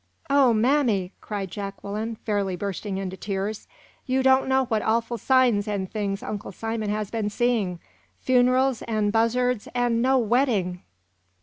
"O mammy," cried Jacqueline, fairly bursting into tears, "you don't know what awful signs and things Uncle Simon has been seeing funerals, and buzzards, and no wedding!"